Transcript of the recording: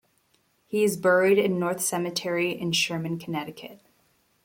He is buried in North Cemetery in Sherman, Connecticut.